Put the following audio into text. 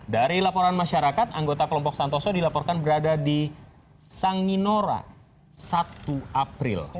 dari laporan masyarakat anggota kelompok santoso dilaporkan berada di sanginora satu april